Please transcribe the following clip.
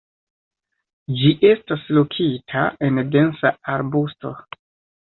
Ĝi estas lokita en densa arbusto.